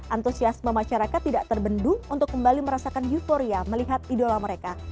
antusiasme masyarakat tidak terbendung untuk kembali merasakan euforia melihat idola mereka